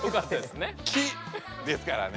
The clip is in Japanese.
「木」ですからね。